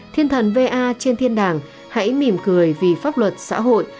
thiên thần va trên thiên đảng hãy mỉm cười vì pháp luật xã hội